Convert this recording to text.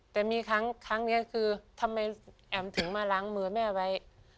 แต่มีครั้งนี้คือทำไมแอ๋มถึงมาล้างมือแม่ไว้